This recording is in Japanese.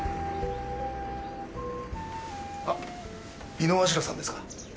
あっ井之頭さんですか？